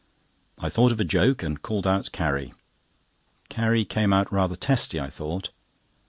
I thought of a joke, and called out Carrie. Carrie came out rather testy, I thought.